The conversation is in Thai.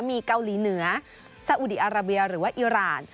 มีเกาหลีเหนือซาอุดีอาราเบียหรือว่าอิราณ